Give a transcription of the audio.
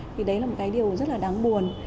thì đấy là một cái điều rất là đáng buồn